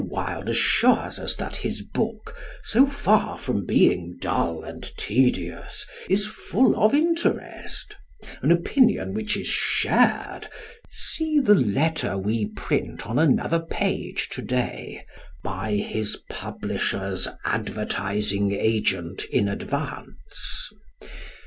Wilde assures us that his book, so far from being dull and tedious, is full of interest; an opinion which is shared (see the letter we print on another page to day) by his publishers' advertising agent in advance.